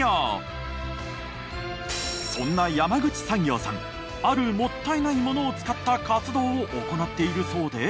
そんな山口産業さんあるもったいないものを使った活動を行っているそうで。